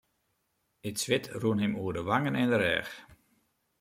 It swit rûn him oer de wangen en de rêch.